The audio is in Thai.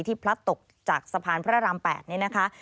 พลัดตกจากสะพานพระราม๘นี่นะคะ